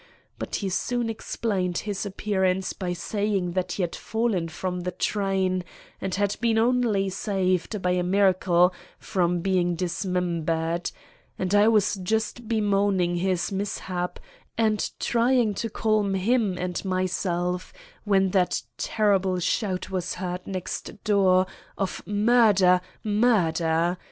But he soon explained his appearance by saying that he had fallen from the train and had been only saved by a miracle from being dismembered; and I was just bemoaning his mishap and trying to calm him and myself, when that terrible shout was heard next door of 'Murder! murder!